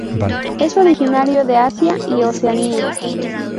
Es originario de Asia y Oceanía.